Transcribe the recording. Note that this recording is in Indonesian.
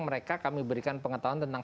mereka kami berikan pengetahuan tentang